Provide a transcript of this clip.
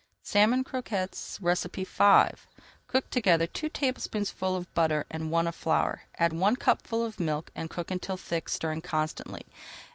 SALMON CROQUETTES V Cook together two tablespoonfuls of butter and one of flour. Add one cupful of milk and cook until thick, stirring constantly.